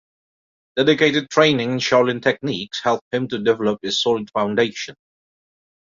Dedicated training in Shaolin techniques helped him to develop a solid foundation.